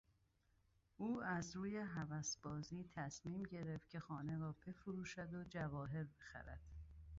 او از روی هوسبازی تصمیم گرفت که خانه را بفروشد و جواهر بخرد.